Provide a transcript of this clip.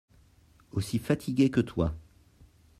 Aussi fatiguée que toi.